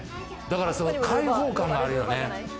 開放感があるよね。